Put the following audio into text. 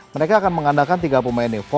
mereka akan mengandalkan tiga pemain